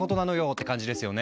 って感じですよね。